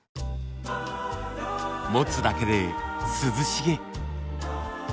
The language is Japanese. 持つだけで涼しげ。